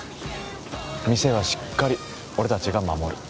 店はしっかり俺たちが守る。